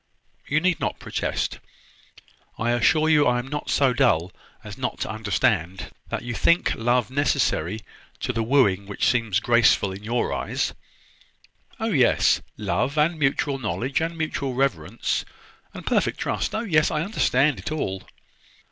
You need not protest. I assure you I am not so dull as not to understand that you think love necessary to the wooing which seems graceful in your eyes; Oh, yes: love, and mutual knowledge, and mutual reverence, and perfect trust! Oh, yes, I understand it all."